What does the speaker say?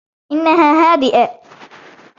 إنها هادئة.